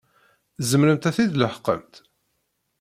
Tzemremt ad t-id-leḥqemt?